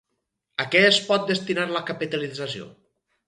A què es pot destinar la capitalització?